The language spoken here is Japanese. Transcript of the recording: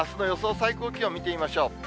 最高気温見てみましょう。